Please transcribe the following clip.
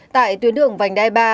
tại tuyến đường vành đai ba